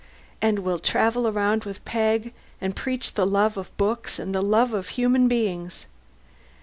And we'll travel around with Peg, and preach the love of books and the love of human beings.